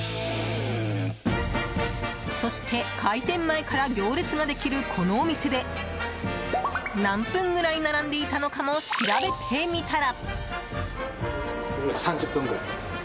そして、開店前から行列ができるこのお店で何分ぐらい並んでいたのかも調べてみたら。